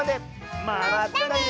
まったね！